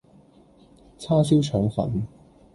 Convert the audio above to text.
叉燒腸粉